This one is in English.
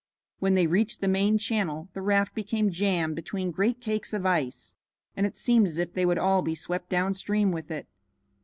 When they reached the main channel the raft became jammed between great cakes of ice, and it seemed as if they would all be swept down stream with it.